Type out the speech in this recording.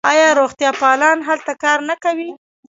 آیا روغتیاپالان هلته کار نه کوي؟